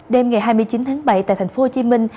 đêm ngày hai mươi chín tháng bảy tại thành phố hồ chí minh